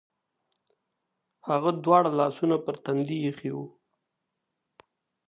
هغه دواړه لاسونه پر تندي ایښي و.